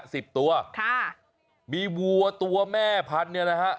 สิบตัวค่ะมีวัวตัวแม่พันธุ์เนี่ยนะฮะ